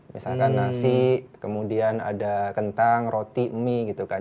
misalkan nasi kemudian ada kentang roti mie gitu kan